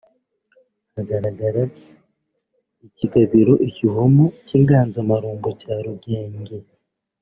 Hagaragara ikigabiro (ikivumu cy’inganzamarumbu) cya Rugenge